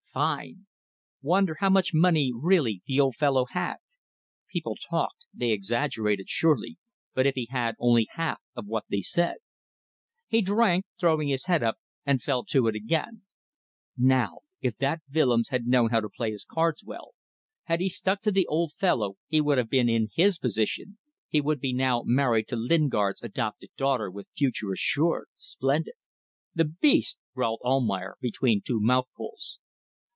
Fine! Wonder how much money really the old fellow had. People talked they exaggerated surely, but if he had only half of what they said ... He drank, throwing his head up, and fell to again. ... Now, if that Willems had known how to play his cards well, had he stuck to the old fellow he would have been in his position, he would be now married to Lingard's adopted daughter with his future assured splendid ... "The beast!" growled Almayer, between two mouthfuls.